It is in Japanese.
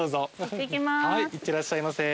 行ってらっしゃいませ。